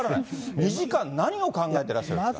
２時間何を考えてらっしゃるんですか。